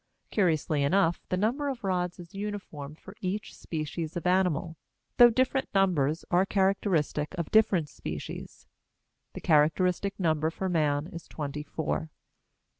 Curiously enough the number of rods is uniform for each species of animal, though different numbers are characteristic of different species; the characteristic number for man is twenty four.